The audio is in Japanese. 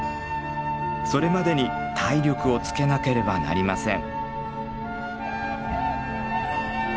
それまでに体力をつけなければなりません。